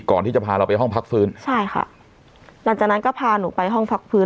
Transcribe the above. ก่อนที่จะพาเราไปห้องพักฟื้นใช่ค่ะหลังจากนั้นก็พาหนูไปห้องพักฟื้น